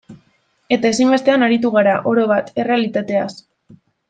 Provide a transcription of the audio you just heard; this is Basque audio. Eta ezinbestean aritu gara, orobat, errealitateaz.